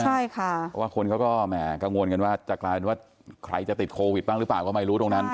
เพราะว่าคนก็กังวลกันว่าใครจะติดโควิดบ้างหรือเปล่าก็ไม่รู้ตรงนั้น